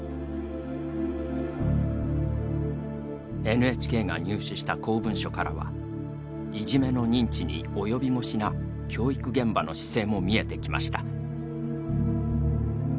ＮＨＫが入手した公文書からはいじめの認知に及び腰な教育現場の姿勢もみえてきました。